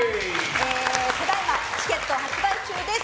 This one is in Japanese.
ただいま、チケット発売中です。